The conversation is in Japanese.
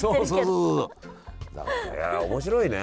いや面白いね。